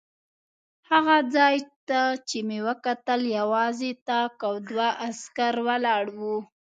هغه ځای ته چې مې وکتل یوازې طاق او دوه عسکر ولاړ و.